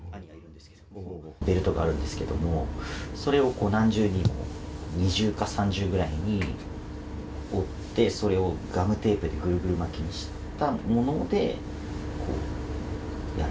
ベルトがあるんですけれども、それを何重にも、二重か三重ぐらいに折って、それをガムテープでぐるぐる巻きにしたもので、こうやる。